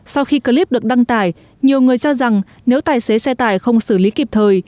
sau khi clip được đăng tải nhiều người cho rằng nếu tài xế xe tải không xử lý kịp thời